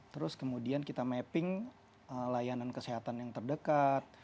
terus kemudian kita mapping layanan kesehatan yang terdekat